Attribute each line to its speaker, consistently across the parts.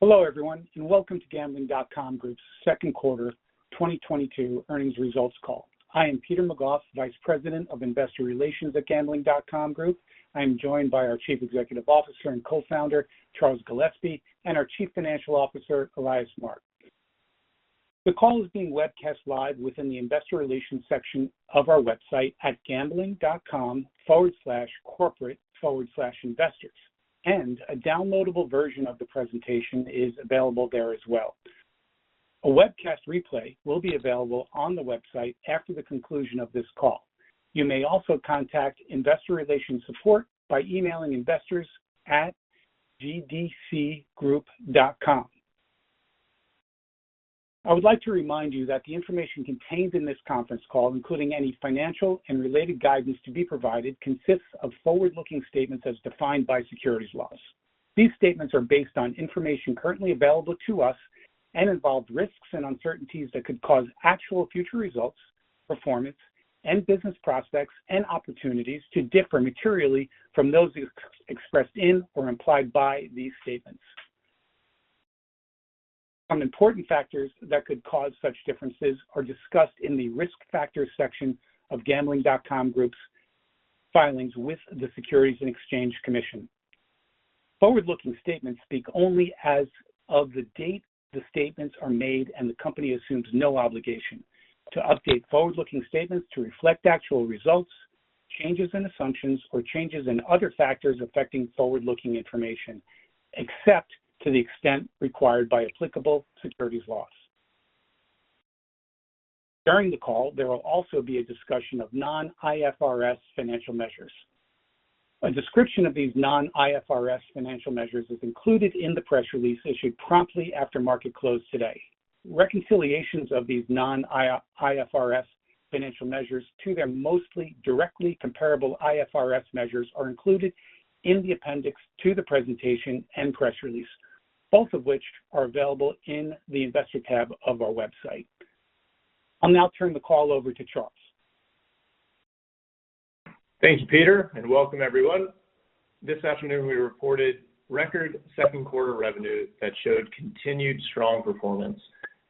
Speaker 1: Hello, everyone, and welcome to Gambling.com Group's Second Quarter 2022 Earnings Results Call. I am Peter McGough, Vice President of Investor Relations at Gambling.com Group. I am joined by our Chief Executive Officer and Co-founder, Charles Gillespie, and our Chief Financial Officer, Elias Mark. The call is being webcast live within the investor relations section of our website at gdcgroup.com/corporate/investors, and a downloadable version of the presentation is available there as well. A webcast replay will be available on the website after the conclusion of this call. You may also contact investor relations support by emailing investors@gdcgroup.com. I would like to remind you that the information contained in this conference call, including any financial and related guidance to be provided, consists of forward-looking statements as defined by securities laws. These statements are based on information currently available to us and involve risks and uncertainties that could cause actual future results, performance and business prospects and opportunities to differ materially from those expressed in or implied by these statements. Some important factors that could cause such differences are discussed in the Risk Factors section of Gambling.com Group's filings with the Securities and Exchange Commission. Forward-looking statements speak only as of the date the statements are made, and the company assumes no obligation to update forward-looking statements to reflect actual results, changes in assumptions or changes in other factors affecting forward-looking information, except to the extent required by applicable securities laws. During the call, there will also be a discussion of non-IFRS financial measures. A description of these non-IFRS financial measures is included in the press release issued promptly after market close today. Reconciliations of these non-IFRS financial measures to their most directly comparable IFRS measures are included in the appendix to the presentation and press release, both of which are available in the Investor tab of our website. I'll now turn the call over to Charles.
Speaker 2: Thank you, Peter, and welcome everyone. This afternoon we reported record second quarter revenue that showed continued strong performance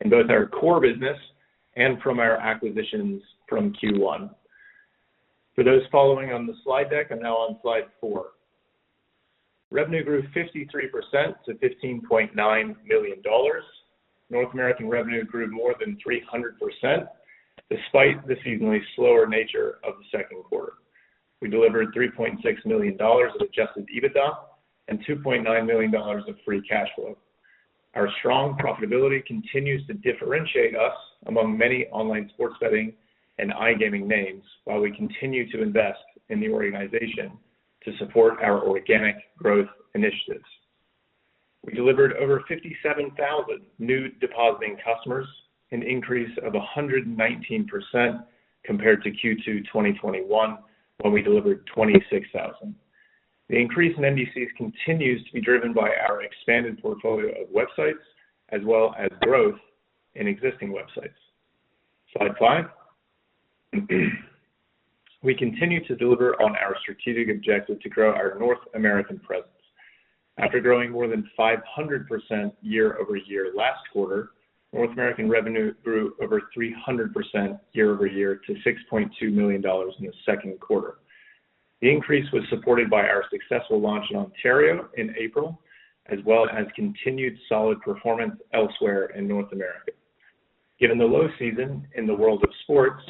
Speaker 2: in both our core business and from our acquisitions from Q1. For those following on the slide deck, I'm now on slide four. Revenue grew 53% to $15.9 million. North American revenue grew more than 300% despite the seasonally slower nature of the second quarter. We delivered $3.6 million of adjusted EBITDA and $2.9 million of free cash flow. Our strong profitability continues to differentiate us among many online sports betting and iGaming names while we continue to invest in the organization to support our organic growth initiatives. We delivered over 57,000 new depositing customers, an increase of 119% compared to Q2 2021 when we delivered 26,000. The increase in NDCs continues to be driven by our expanded portfolio of websites as well as growth in existing websites. Slide five. We continue to deliver on our strategic objective to grow our North American presence. After growing more than 500% year-over-year last quarter, North American revenue grew over 300% year-over-year to $6.2 million in the second quarter. The increase was supported by our successful launch in Ontario in April, as well as continued solid performance elsewhere in North America. Given the low season in the world of sports,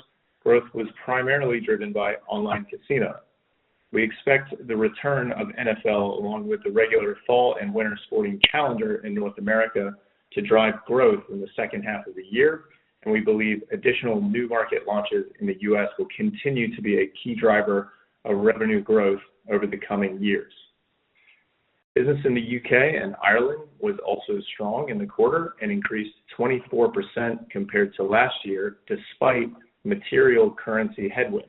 Speaker 2: growth was primarily driven by online casino. We expect the return of NFL along with the regular fall and winter sporting calendar in North America to drive growth in the second half of the year, and we believe additional new market launches in the U.S. will continue to be a key driver of revenue growth over the coming years. Business in the U.K. and Ireland was also strong in the quarter and increased 24% compared to last year despite material currency headwinds.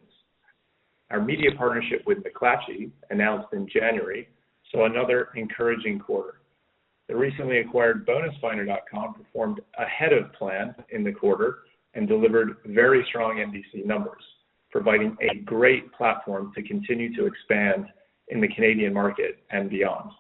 Speaker 2: Our media partnership with McClatchy, announced in January, saw another encouraging quarter. The recently acquired BonusFinder.com performed ahead of plan in the quarter and delivered very strong NDC numbers, providing a great platform to continue to expand in the Canadian market and beyond.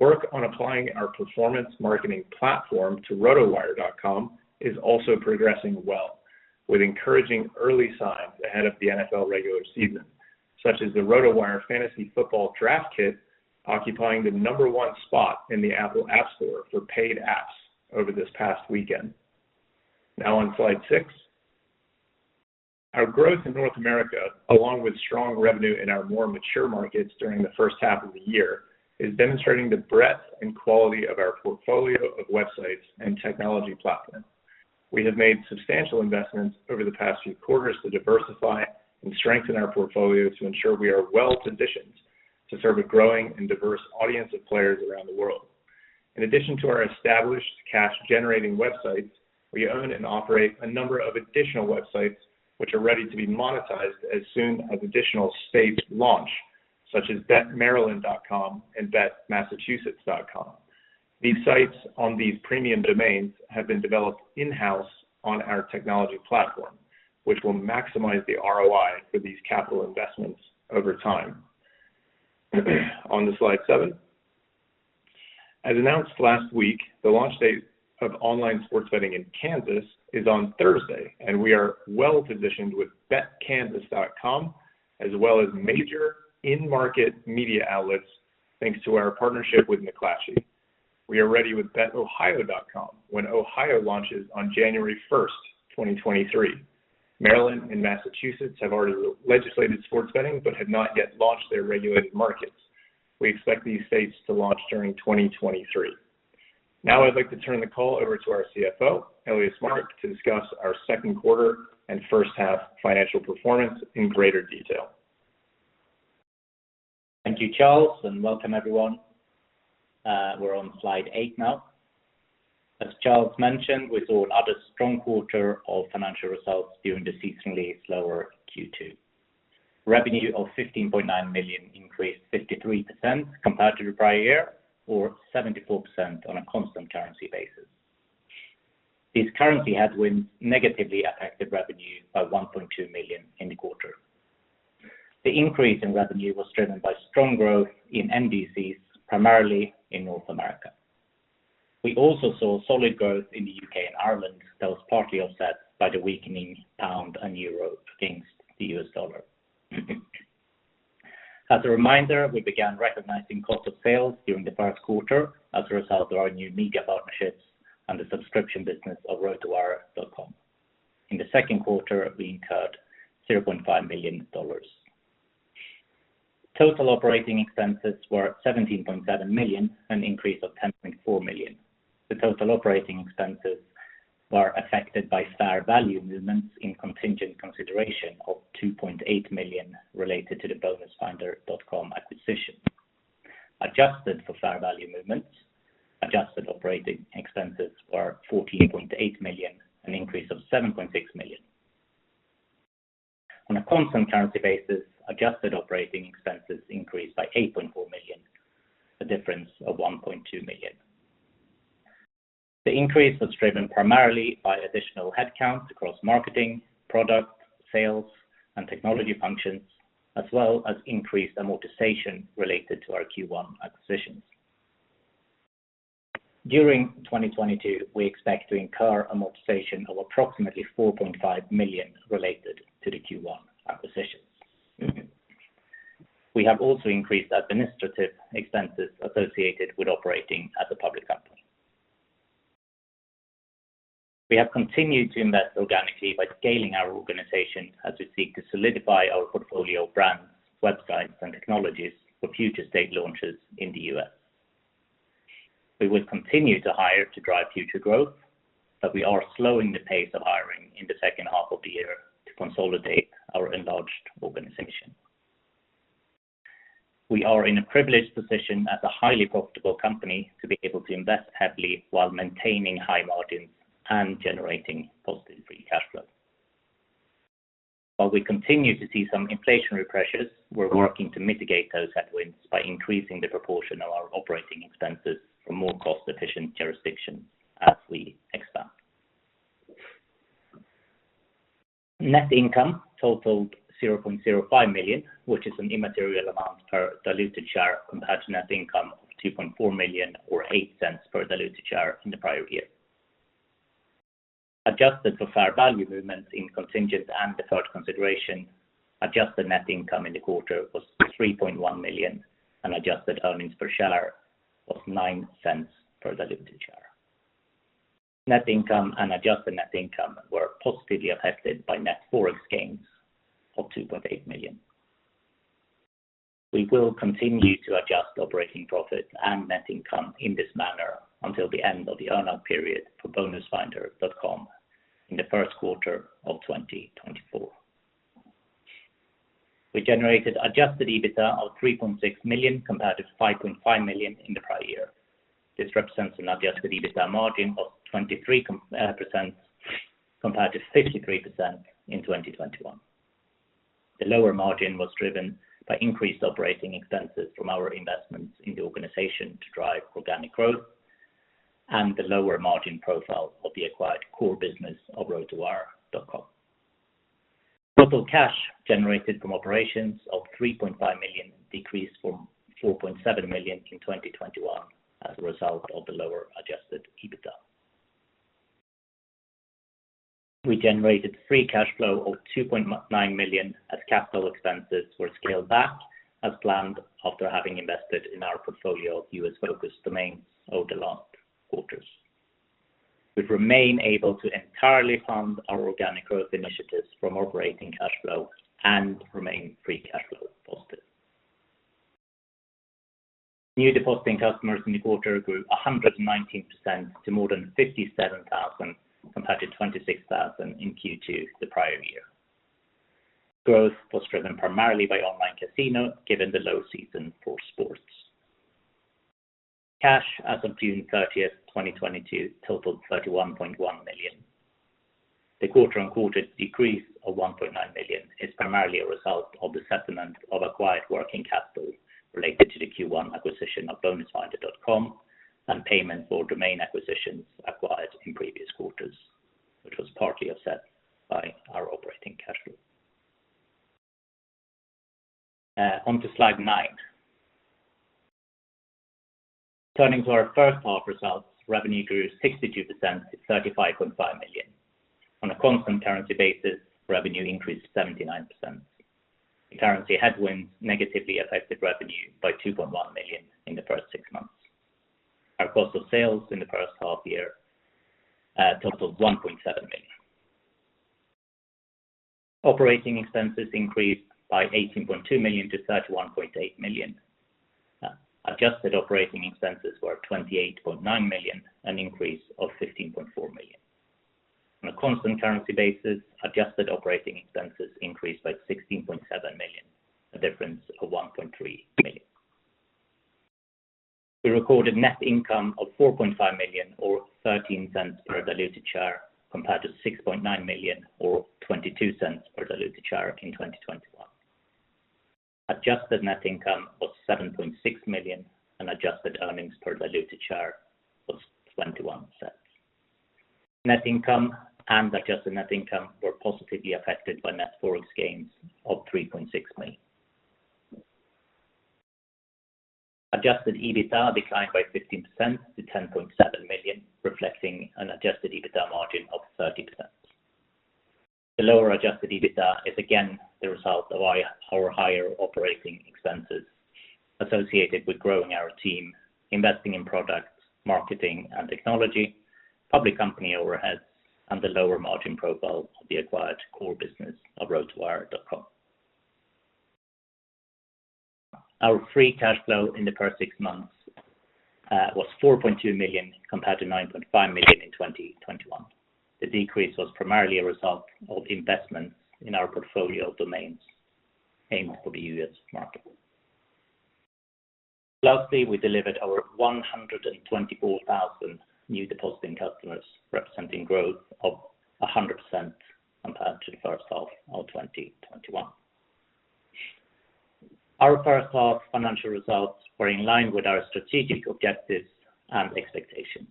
Speaker 2: Work on applying our performance marketing platform to RotoWire.com is also progressing well with encouraging early signs ahead of the NFL regular season, such as the RotoWire Fantasy Football Draft Kit occupying the number one spot in the Apple App Store for paid apps over this past weekend. Now on slide six. Our growth in North America, along with strong revenue in our more mature markets during the first half of the year, is demonstrating the breadth and quality of our portfolio of websites and technology platform. We have made substantial investments over the past few quarters to diversify and strengthen our portfolio to ensure we are well-positioned to serve a growing and diverse audience of players around the world. In addition to our established cash-generating websites, we own and operate a number of additional websites which are ready to be monetized as soon as additional states launch, such as BetMaryland.com and BetMassachusetts.com. These sites on these premium domains have been developed in-house on our technology platform, which will maximize the ROI for these capital investments over time. On to slide seven. As announced last week, the launch date of online sports betting in Kansas is on Thursday, and we are well-positioned with BetKansas.com, as well as major in-market media outlets, thanks to our partnership with McClatchy. We are ready with BetOhio.com when Ohio launches on January 1, 2023. Maryland and Massachusetts have already legislated sports betting but have not yet launched their regulated markets. We expect these states to launch during 2023. Now I'd like to turn the call over to our CFO, Elias Mark, to discuss our second quarter and first half financial performance in greater detail.
Speaker 3: Thank you, Charles, and welcome everyone. We're on slide eight now. As Charles mentioned, we saw another strong quarter of financial results during the seasonally slower Q2. Revenue of $15.9 million increased 53% compared to the prior year or 74% on a constant currency basis. These currency headwinds negatively affected revenue by $1.2 million in the quarter. The increase in revenue was driven by strong growth in NDCs, primarily in North America. We also saw solid growth in the U.K. and Ireland that was partly offset by the weakening pound and euro against the U.S. dollar. As a reminder, we began recognizing cost of sales during the first quarter as a result of our new mega partnerships and the subscription business of RotoWire.com. In the second quarter, we incurred $0.5 million. Total operating expenses were $17.7 million, an increase of $10.4 million. The total operating expenses were affected by fair value movements in contingent consideration of $2.8 million related to the BonusFinder.com acquisition. Adjusted for fair value movements, adjusted operating expenses were $14.8 million, an increase of $7.6 million. On a constant currency basis, adjusted operating expenses increased by $8.4 million, a difference of $1.2 million. The increase was driven primarily by additional headcount across marketing, product, sales, and technology functions, as well as increased amortization related to our Q1 acquisitions. During 2022, we expect to incur amortization of approximately $4.5 million related to the Q1 acquisitions. We have also increased administrative expenses associated with operating as a public company. We have continued to invest organically by scaling our organization as we seek to solidify our portfolio of brands, websites, and technologies for future state launches in the U.S. We will continue to hire to drive future growth, but we are slowing the pace of hiring in the second half of the year to consolidate our enlarged organization. We are in a privileged position as a highly profitable company to be able to invest heavily while maintaining high margins and generating positive free cash flow. While we continue to see some inflationary pressures, we're working to mitigate those headwinds by increasing the proportion of our operating expenses for more cost-efficient jurisdictions as we expand. Net income totaled $0.05 million, which is an immaterial amount per diluted share compared to net income of $2.4 million or $0.08 per diluted share in the prior year. Adjusted for fair value movements in contingent and deferred consideration, adjusted net income in the quarter was $3.1 million and adjusted earnings per share of $0.09 per diluted share. Net income and adjusted net income were positively affected by net Forex gains of $2.8 million. We will continue to adjust operating profit and net income in this manner until the end of the earn-out period for BonusFinder.com in the first quarter of 2024. We generated adjusted EBITDA of $3.6 million compared to $5.5 million in the prior year. This represents an adjusted EBITDA margin of 23% compared to 53% in 2021. The lower margin was driven by increased operating expenses from our investments in the organization to drive organic growth and the lower margin profile of the acquired core business of RotoWire.com. Total cash generated from operations of $3.5 million decreased from $4.7 million in 2021 as a result of the lower adjusted EBITDA. We generated free cash flow of $2.9 million as capital expenses were scaled back as planned after having invested in our portfolio of U.S. focused domains over the last quarters. We remain able to entirely fund our organic growth initiatives from operating cash flow and remain free cash flow positive. New depositing customers in the quarter grew 119% to more than 57,000 compared to 26,000 in Q2 the prior year. Growth was driven primarily by online casino, given the low season for sports. Cash as of June 30, 2022 totaled $31.1 million. The quarter-on-quarter decrease of $1.9 million is primarily a result of the settlement of acquired working capital related to the Q1 acquisition of BonusFinder.com and payment for domain acquisitions acquired in previous quarters, which was partly offset by our operating cash flow. Onto slide nine. Turning to our first half results, revenue grew 62% to $35.5 million. On a constant currency basis, revenue increased 79%. The currency headwinds negatively affected revenue by $2.1 million in the first six months. Our cost of sales in the first half year totaled $1.7 million. Operating expenses increased by $18.2 million-$31.8 million. Adjusted operating expenses were $28.9 million, an increase of $15.4 million. On a constant currency basis, adjusted operating expenses increased by $16.7 million, a difference of $1.3 million. We recorded net income of $4.5 million or $0.13 per diluted share, compared to $6.9 million or $0.22 per diluted share in 2021. Adjusted net income was $7.6 million, and adjusted earnings per diluted share was $0.21. Net income and adjusted net income were positively affected by net Forex gains of $3.6 million. Adjusted EBITDA declined by 15% to $10.7 million, reflecting an adjusted EBITDA margin of 30%. The lower adjusted EBITDA is again the result of our higher operating expenses associated with growing our team, investing in products, marketing and technology, public company overhead, and the lower margin profile of the acquired core business of RotoWire.com. Our free cash flow in the first six months was $4.2 million compared to $9.5 million in 2021. The decrease was primarily a result of investments in our portfolio of domains aimed for the U.S. market. Lastly, we delivered over 124,000 new depositing customers, representing growth of 100% compared to the first half of 2021. Our first half financial results were in line with our strategic objectives and expectations.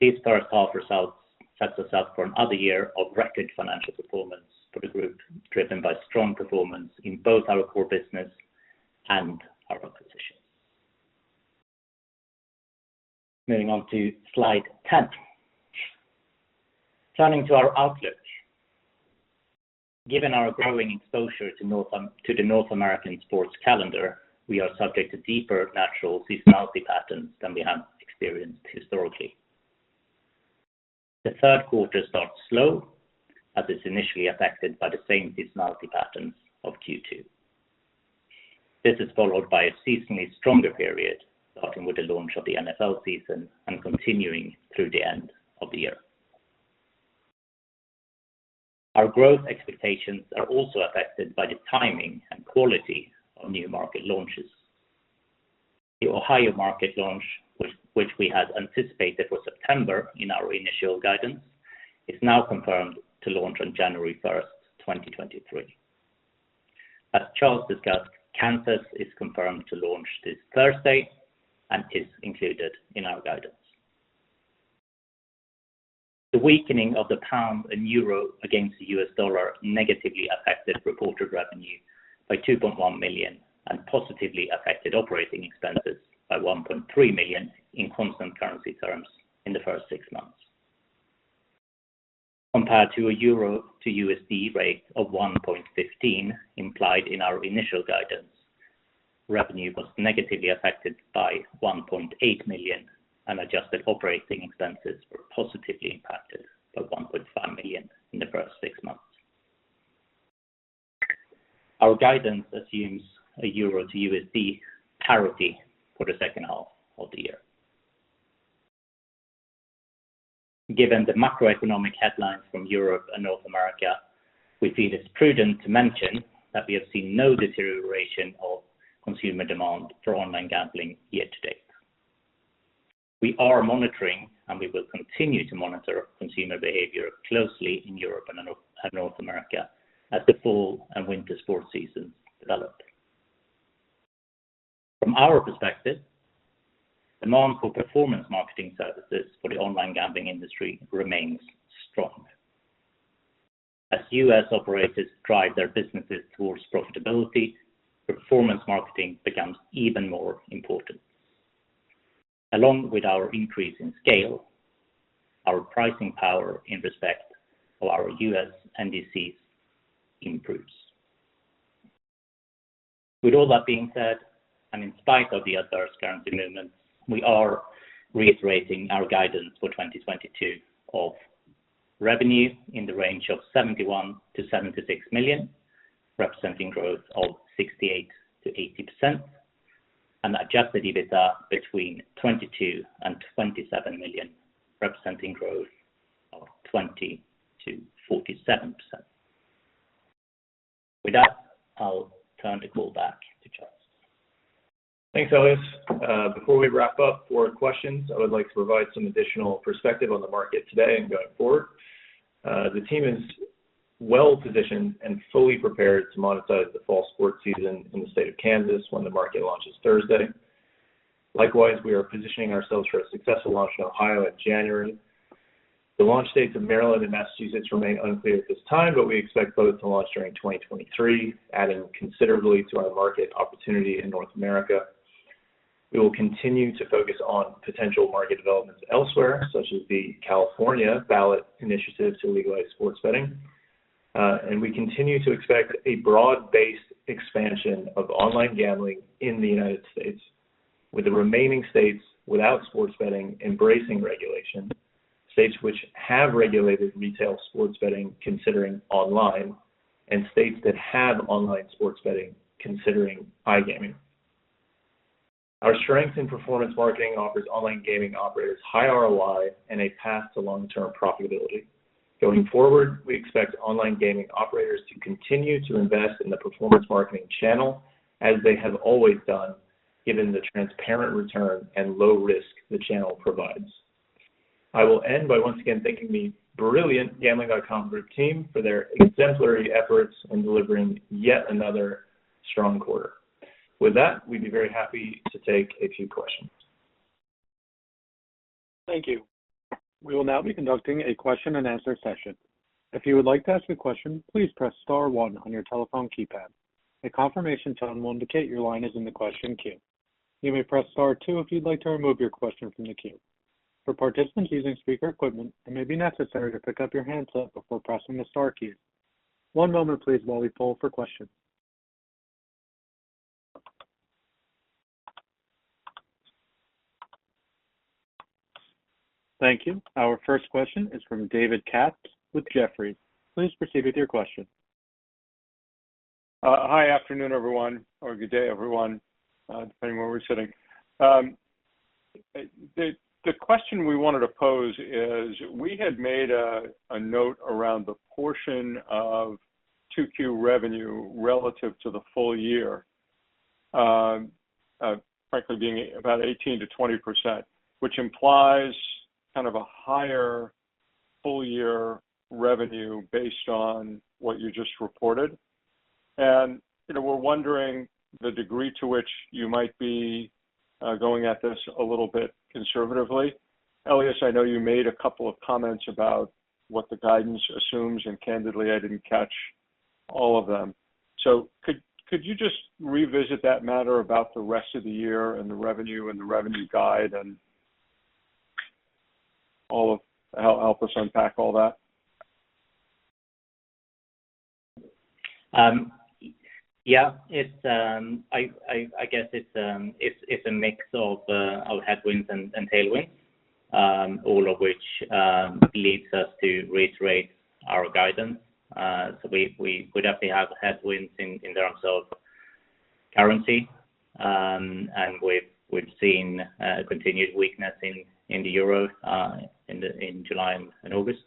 Speaker 3: These first half results sets us up for another year of record financial performance for the group, driven by strong performance in both our core business and our acquisitions. Moving on to slide 10. Turning to our outlook. Given our growing exposure to the North American sports calendar, we are subject to deeper natural seasonality patterns than we have experienced historically. The third quarter starts slow, as it's initially affected by the same seasonality patterns of Q2. This is followed by a seasonally stronger period, starting with the launch of the NFL season and continuing through the end of the year. Our growth expectations are also affected by the timing and quality of new market launches. The Ohio market launch, which we had anticipated for September in our initial guidance, is now confirmed to launch on January 1, 2023. As Charles discussed, Kansas is confirmed to launch this Thursday and is included in our guidance. The weakening of the pound and euro against the U.S. Dollar negatively affected reported revenue by $2.1 million and positively affected operating expenses by $1.3 million in constant currency terms in the first six months. Compared to a euro to USD rate of 1.15 implied in our initial guidance, revenue was negatively affected by $1.8 million, and adjusted operating expenses were positively impacted by $1.5 million in the first six months. Our guidance assumes a euro to USD parity for the second half of the year. Given the macroeconomic headlines from Europe and North America, we feel it's prudent to mention that we have seen no deterioration of consumer demand for online gambling year-to-date. We are monitoring, and we will continue to monitor consumer behavior closely in Europe and North America as the fall and winter sports seasons develop. From our perspective, demand for performance marketing services for the online gambling industry remains strong. As U.S. operators drive their businesses towards profitability, performance marketing becomes even more important. Along with our increase in scale, our pricing power in respect of our U.S. NDC improves. With all that being said, and in spite of the adverse currency movements, we are reiterating our guidance for 2022 of revenue in the range of $71 million-$76 million, representing growth of 68%-80%, and adjusted EBITDA between $22 million-$27 million, representing growth of 20%-47%. With that, I'll turn the call back to Charles.
Speaker 2: Thanks, Elias. Before we wrap up for questions, I would like to provide some additional perspective on the market today and going forward. The team is well-positioned and fully prepared to monetize the fall sports season in the state of Kansas when the market launches Thursday. Likewise, we are positioning ourselves for a successful launch in Ohio in January. The launch dates of Maryland and Massachusetts remain unclear at this time, but we expect both to launch during 2023, adding considerably to our market opportunity in North America. We will continue to focus on potential market developments elsewhere, such as the California ballot initiative to legalize sports betting. We continue to expect a broad-based expansion of online gambling in the United States with the remaining states without sports betting embracing regulation, states which have regulated retail sports betting considering online, and states that have online sports betting considering iGaming. Our strength in performance marketing offers online gaming operators high ROI and a path to long-term profitability. Going forward, we expect online gaming operators to continue to invest in the performance marketing channel as they have always done, given the transparent return and low risk the channel provides. I will end by once again thanking the brilliant Gambling.com Group team for their exemplary efforts in delivering yet another strong quarter. With that, we'd be very happy to take a few questions.
Speaker 4: Thank you. We will now be conducting a question-and-answer session. If you would like to ask a question, please press star one on your telephone keypad. A confirmation tone will indicate your line is in the question queue. You may press star two if you'd like to remove your question from the queue. For participants using speaker equipment, it may be necessary to pick up your handset before pressing the star key. One moment please while we poll for questions. Thank you. Our first question is from David Katz with Jefferies. Please proceed with your question.
Speaker 5: Hi. Afternoon, everyone, or good day, everyone, depending on where we're sitting. The question we wanted to pose is, we had made a note around the portion of 2Q revenue relative to the full year, frankly being about 18%-20%, which implies kind of a higher full year revenue based on what you just reported. You know, we're wondering the degree to which you might be going at this a little bit conservatively. Elias, I know you made a couple of comments about what the guidance assumes, and candidly, I didn't catch all of them. Could you just revisit that matter about the rest of the year and the revenue and the revenue guide and all of it? Help us unpack all that?
Speaker 3: It's a mix of headwinds and tailwinds, all of which leads us to reiterate our guidance. We would definitely have headwinds in terms of currency, and we've seen continued weakness in the euro in July and August.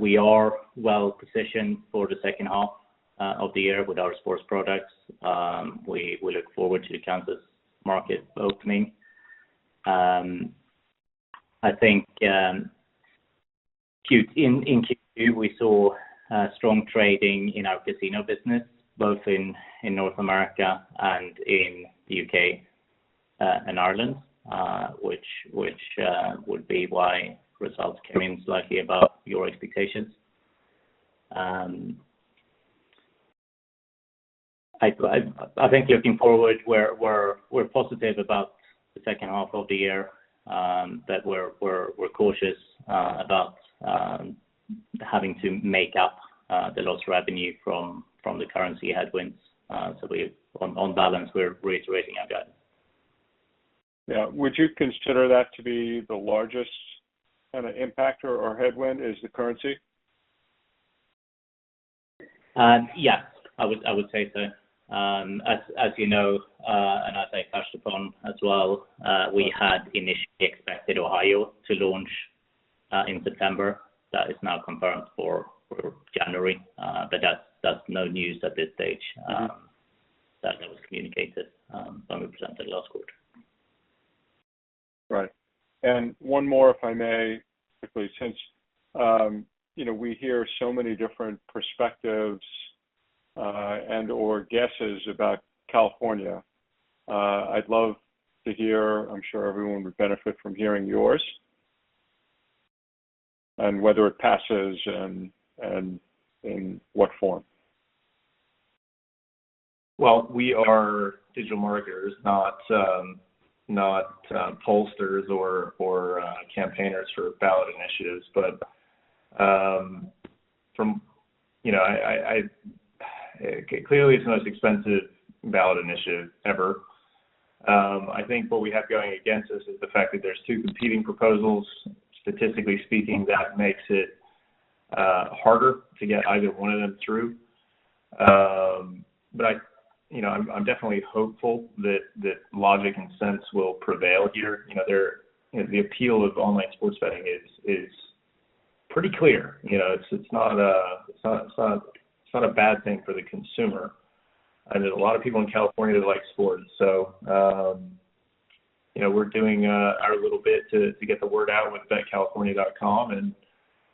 Speaker 3: We are well positioned for the second half of the year with our sports products. We look forward to the Kansas market opening. I think in Q2, we saw strong trading in our casino business, both in North America and in the U.K. and Ireland, which would be why results came in slightly above your expectations. I think looking forward, we're positive about the second half of the year, but we're cautious about having to make up the lost revenue from the currency headwinds. On balance, we're reiterating our guidance.
Speaker 5: Yeah. Would you consider that to be the largest kind of impact or headwind is the currency?
Speaker 3: Yeah, I would say so. As you know, and as I touched upon as well, we had initially expected Ohio to launch in September. That is now confirmed for January. That's no news at this stage, that was communicated when we presented last quarter.
Speaker 5: Right. One more, if I may, quickly. Since you know, we hear so many different perspectives, and/or guesses about California, I'd love to hear. I'm sure everyone would benefit from hearing yours on whether it passes and in what form.
Speaker 2: Well, we are digital marketers, not pollsters or campaigners for ballot initiatives. You know, clearly, it's the most expensive ballot initiative ever. I think what we have going against us is the fact that there's two competing proposals. Statistically speaking, that makes it harder to get either one of them through. You know, I'm definitely hopeful that logic and sense will prevail here. You know, the appeal of online sports betting is pretty clear. You know, it's not a bad thing for the consumer. There's a lot of people in California that like sports. You know, we're doing our little bit to get the word out with BetCalifornia.com, and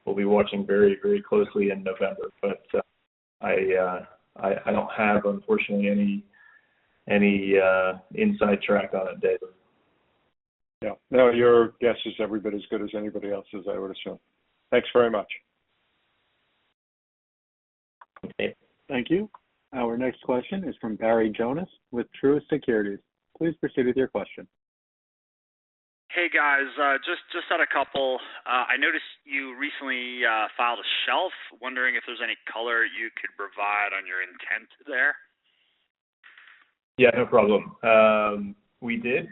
Speaker 2: we'll be watching very, very closely in November. I don't have, unfortunately, any inside track on it, David.
Speaker 5: Yeah. No, your guess is every bit as good as anybody else's, I would assume. Thanks very much.
Speaker 2: Okay.
Speaker 4: Thank you. Our next question is from Barry Jonas with Truist Securities. Please proceed with your question.
Speaker 6: Hey, guys. Just had a couple. I noticed you recently filed a shelf. Wondering if there's any color you could provide on your intent there?
Speaker 2: Yeah, no problem. We did.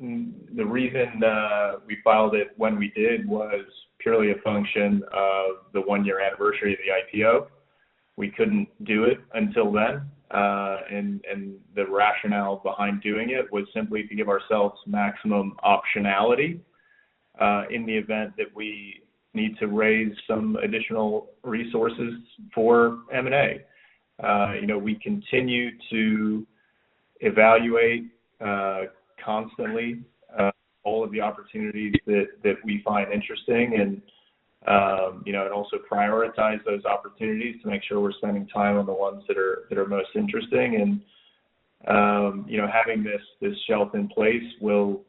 Speaker 2: The reason we filed it when we did was purely a function of the one-year anniversary of the IPO. We couldn't do it until then. The rationale behind doing it was simply to give ourselves maximum optionality in the event that we need to raise some additional resources for M&A. You know, we continue to evaluate constantly all of the opportunities that we find interesting and also prioritize those opportunities to make sure we're spending time on the ones that are most interesting. You know, having this shelf in place will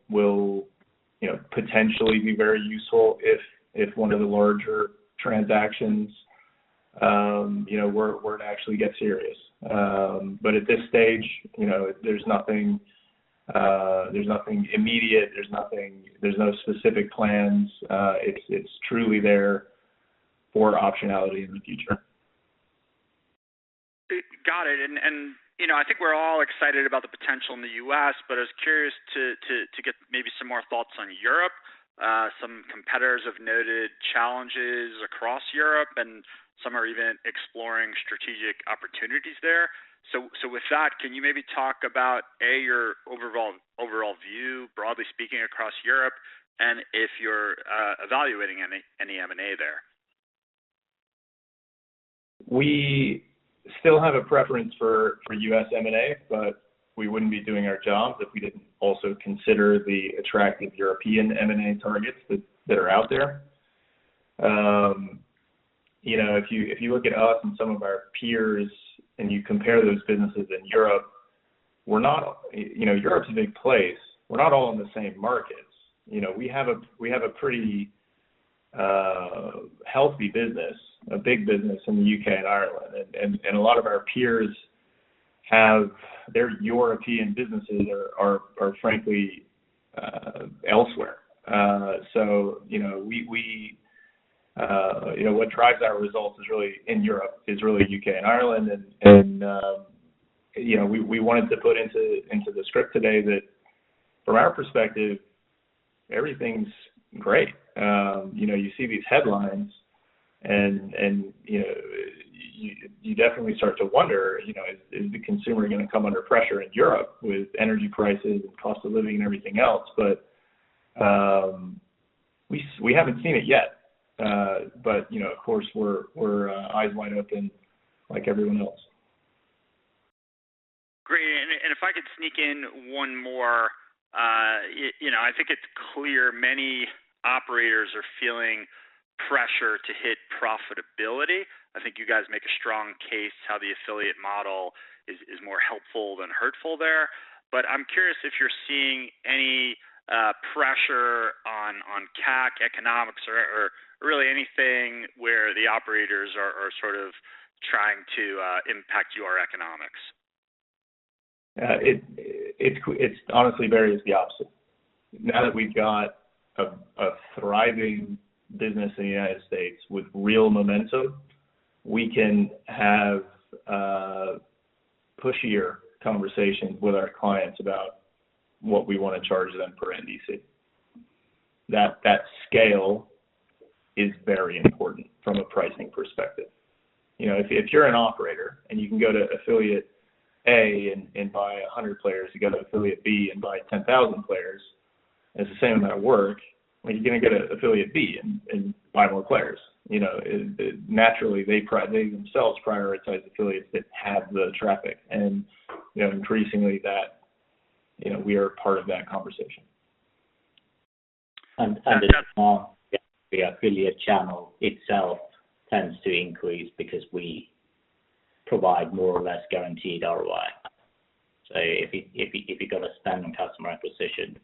Speaker 2: potentially be very useful if one of the larger transactions were to actually get serious. At this stage, you know, there's nothing immediate. There's no specific plans. It's truly there for optionality in the future.
Speaker 6: Got it. You know, I think we're all excited about the potential in the U.S., but I was curious to get maybe some more thoughts on Europe. Some competitors have noted challenges across Europe, and some are even exploring strategic opportunities there. With that, can you maybe talk about your overall view, broadly speaking, across Europe, and if you're evaluating any M&A there?
Speaker 2: We still have a preference for U.S. M&A, but we wouldn't be doing our jobs if we didn't also consider the attractive European M&A targets that are out there. You know, if you look at us and some of our peers and you compare those businesses in Europe. You know, Europe's a big place. We're not all in the same markets. You know, we have a pretty healthy business, a big business in the U.K. and Ireland. A lot of our peers have their European businesses are frankly elsewhere. You know, what drives our results is really in Europe, is really U.K. and Ireland. You know, we wanted to put into the script today that from our perspective, everything's great. You know, you see these headlines and you know, you definitely start to wonder, you know, is the consumer gonna come under pressure in Europe with energy prices and cost of living and everything else? We haven't seen it yet. You know, of course, we're eyes wide open like everyone else.
Speaker 6: Great. If I could sneak in one more. You know, I think it's clear many operators are feeling pressure to hit profitability. I think you guys make a strong case how the affiliate model is more helpful than hurtful there. I'm curious if you're seeing any pressure on CAC economics or really anything where the operators are sort of trying to impact your economics.
Speaker 2: It's honestly very much the opposite. Now that we've got a thriving business in the United States with real momentum, we can have pushier conversations with our clients about what we wanna charge them per NDC. That scale is very important from a pricing perspective. You know, if you're an operator and you can go to affiliate A and buy 100 players, you go to affiliate B and buy 10,000 players, and it's the same amount of work, well, you're gonna go to affiliate B and buy more players. You know, naturally, they themselves prioritize affiliates that have the traffic. You know, increasingly that, you know, we are part of that conversation.
Speaker 3: As well, the affiliate channel itself tends to increase because we provide more or less guaranteed ROI. If you're spending on customer acquisition,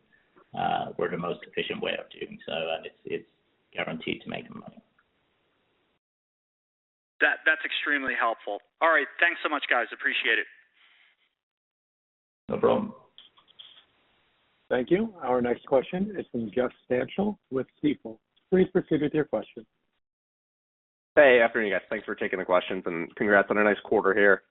Speaker 3: we're the most efficient way of doing so, and it's guaranteed to make them money.
Speaker 6: That, that's extremely helpful. All right. Thanks so much, guys. Appreciate it.
Speaker 2: No problem.
Speaker 4: Thank you. Our next question is from Jeffrey Stantial with Stifel. Please proceed with your question.
Speaker 7: Hey. Afternoon, guys. Thanks for taking the questions, and congrats on a nice quarter here.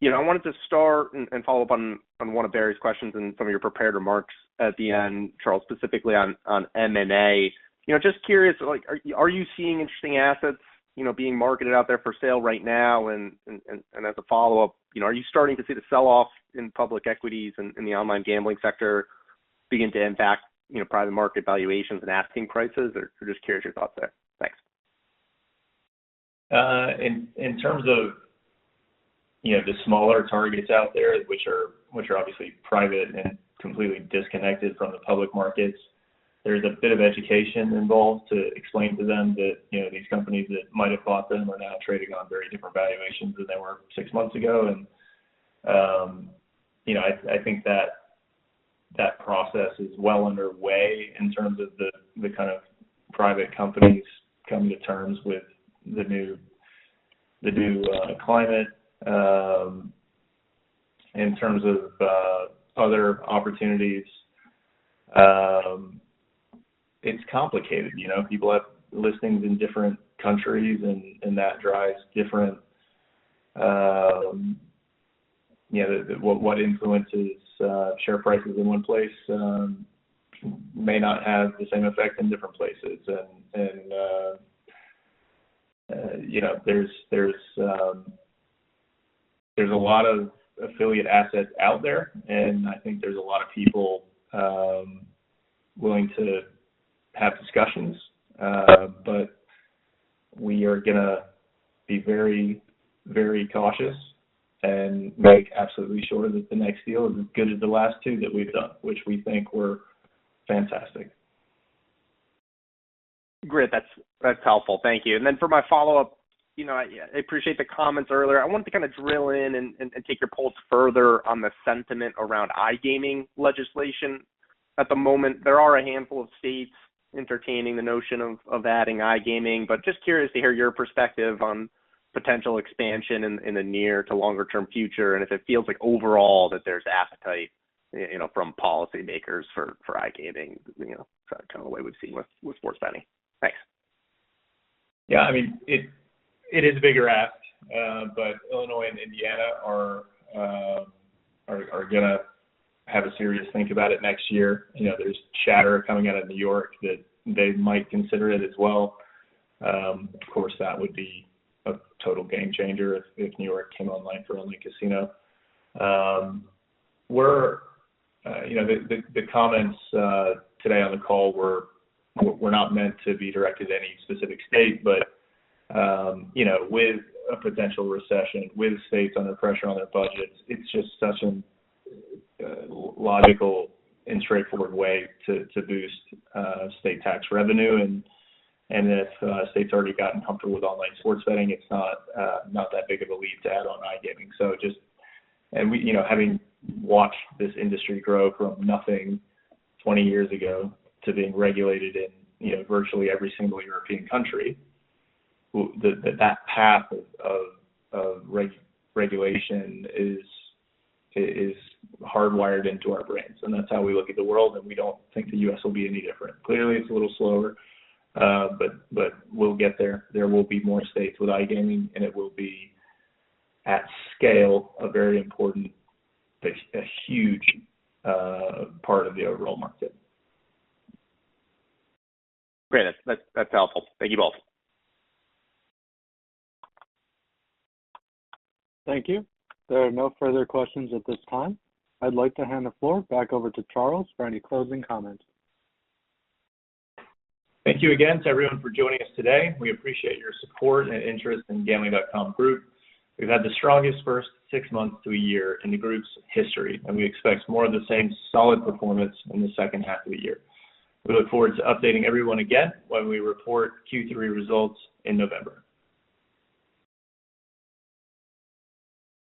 Speaker 7: You know, I wanted to start and follow up on one of Barry's questions and some of your prepared remarks at the end, Charles, specifically on M&A. You know, just curious, like, are you seeing interesting assets, you know, being marketed out there for sale right now? And as a follow-up, you know, are you starting to see the sell-off in public equities and the online gambling sector begin to impact, you know, private market valuations and asking prices? Or just curious your thoughts there. Thanks.
Speaker 2: In terms of, you know, the smaller targets out there, which are obviously private and completely disconnected from the public markets, there's a bit of education involved to explain to them that, you know, these companies that might have bought them are now trading on very different valuations than they were six months ago. You know, I think that process is well underway in terms of the kind of private companies coming to terms with the new climate. In terms of other opportunities, it's complicated. You know, people have listings in different countries and that drives different. You know, what influences share prices in one place may not have the same effect in different places. You know, there's a lot of affiliate assets out there, and I think there's a lot of people willing to have discussions. We are gonna be very, very cautious and make absolutely sure that the next deal is as good as the last two that we've done, which we think were fantastic.
Speaker 7: Great. That's helpful. Thank you. For my follow-up, you know, I appreciate the comments earlier. I wanted to kind of drill in and take your pulse further on the sentiment around iGaming legislation. At the moment, there are a handful of states entertaining the notion of adding iGaming, but just curious to hear your perspective on potential expansion in the near to longer term future, and if it feels like overall that there's appetite, you know, from policymakers for iGaming, you know, kind of the way we've seen with sports betting. Thanks.
Speaker 2: Yeah. I mean, it is a bigger ask, but Illinois and Indiana are gonna have a serious think about it next year. You know, there's chatter coming out of New York that they might consider it as well. Of course, that would be a total game changer if New York came online for online casino. You know, the comments today on the call were not meant to be directed at any specific state. You know, with a potential recession, with states under pressure on their budgets, it's just such a logical and straightforward way to boost state tax revenue. If states have already gotten comfortable with online sports betting, it's not that big of a leap to add on iGaming. You know, having watched this industry grow from nothing 20 years ago to being regulated in, you know, virtually every single European country, that path of regulation is hardwired into our brains, and that's how we look at the world, and we don't think the U.S. will be any different. Clearly, it's a little slower, but we'll get there. There will be more states with iGaming, and it will be at scale a very important, a huge part of the overall market.
Speaker 7: Great. That's helpful. Thank you both.
Speaker 4: Thank you. There are no further questions at this time. I'd like to hand the floor back over to Charles for any closing comments.
Speaker 2: Thank you again to everyone for joining us today. We appreciate your support and interest in Gambling.com Group. We've had the strongest first six months to a year in the group's history, and we expect more of the same solid performance in the second half of the year. We look forward to updating everyone again when we report Q3 results in November.